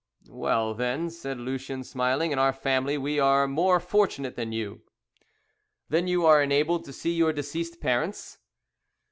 "Well, then," said Lucien smiling, "in our family we are more fortunate than you." "Then you are enabled to see your deceased parents?"